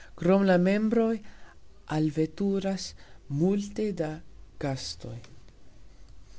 Krom la membroj alveturas multe da gastoj.